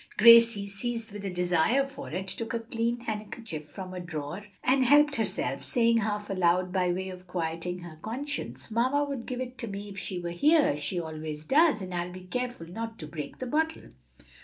Gracie, seized with a desire for it, took a clean handkerchief from a drawer and helped herself, saying half aloud, by way of quieting her conscience, "Mamma would give it to me if she was here, she always does, and I'll be careful not to break the bottle."